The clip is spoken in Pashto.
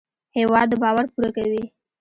هېواد د باور پوره کوي.